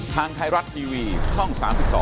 ทางไทยรัฐทีวีช่อง๓๒